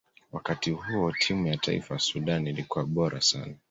wakati huo timu ya taifa ya sudan ilikuwa bora sana